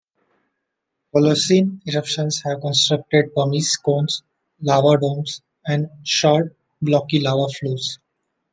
Holocene eruptions have constructed pumice cones, lava domes, and short, blocky lava flows.